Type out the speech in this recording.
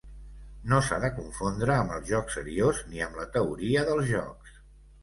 No s'ha de confondre amb el joc seriós ni amb la teoria dels jocs.